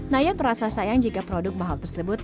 naya merasa sayang jika produk mahal tersebut